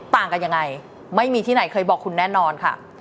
ต่างกันยังไงไม่มีที่ไหนเคยบอกคุณแน่นอนค่ะ